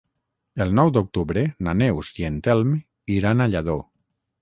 El nou d'octubre na Neus i en Telm iran a Lladó.